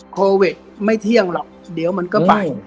โควิดไม่เที่ยงหรอกเดี๋ยวมันก็ไป